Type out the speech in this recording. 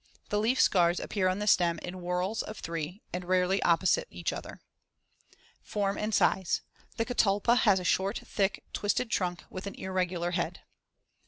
The leaf scars appear on the stem in whorls of three and rarely opposite each other. Form and size: The catalpa has a short, thick and twisted trunk with an irregular head.